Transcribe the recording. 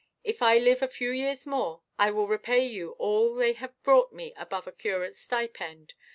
If I live a few years more, I will repay you all they have brought me above a curateʼs stipend.